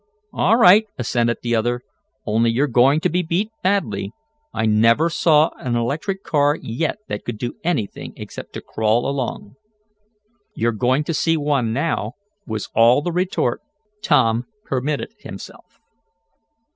"All right," assented the other. "Only you're going to be beat badly. I never saw an electric car yet that could do anything except to crawl along." "You're going to see one now," was all the retort Tom permitted himself.